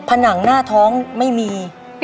ผนังหน้าท้องไม่มี